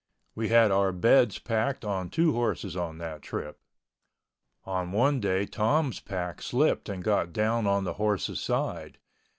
We had our beds packed on two horses on that trip. One day Tom's pack slipped and got down on the horse's side.